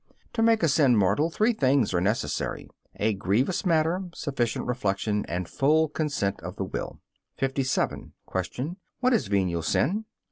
To make a sin mortal three things are necessary: a grievous matter, sufficient reflection, and full consent of the will. 57. Q. What is venial sin?